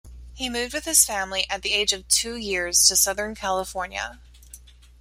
He moved with his family at the age of two years to Southern California.